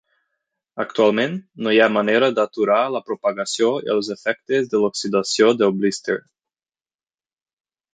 Actualment, no hi ha manera d'aturar la propagació i els efectes de l'oxidació del blíster.